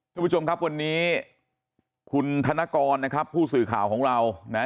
คุณผู้ชมครับวันนี้คุณธนกรนะครับผู้สื่อข่าวของเรานะ